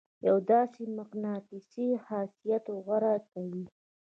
يو داسې مقناطيسي خاصيت غوره کوي.